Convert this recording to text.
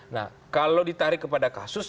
nah kalau ditarik kepada kasus